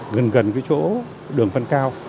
gần gần cái chỗ đường văn cao